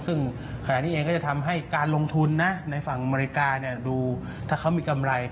ซึ่งขณะนี้เองก็จะทำให้การลงทุนนะในฝั่งอเมริกาดูถ้าเขามีกำไร